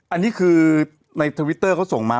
อันนี้คือในทวิตเตอร์เขาส่งมา